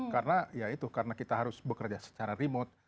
karena ya itu karena kita harus bekerja secara remote